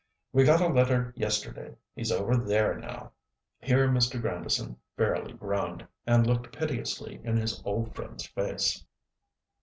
We got a letter yesterday. He's over there now." Here Mr. Grandison fairly groaned, and looked piteously in his old friend's face.